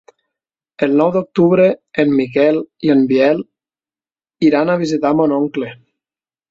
El nou d'octubre en Miquel i en Biel iran a visitar mon oncle.